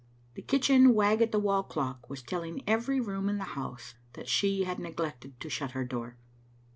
The kitchen wag at the wall clock was telling every room in the house that she had neglected to shut her door.